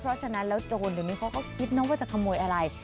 เพราะฉะนั้นแล้วโจรเดี๋ยวนี้เขาก็คิดนะว่าจะขโมยอะไร